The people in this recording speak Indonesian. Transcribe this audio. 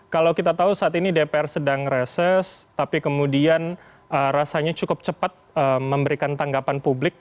kalau kita tahu saat ini dpr sedang reses tapi kemudian rasanya cukup cepat memberikan tanggapan publik